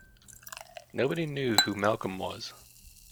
Nobody knew who Malcolm was.